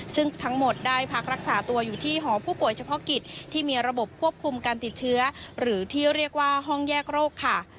ซึ่งทั้งหมดได้พักรักษาตัวอยู่ที่หอผู้ป่วยเฉพาะกิจที่มีระบบควบคุมการติดเชื้อหรือที่เรียกว่าห้องแยกโรคค่ะ